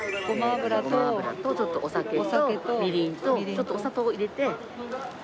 ごま油とちょっとお酒とみりんとちょっとお砂糖を入れて。